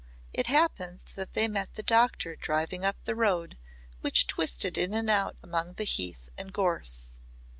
It happened that they met the doctor driving up the road which twisted in and out among the heath and gorse.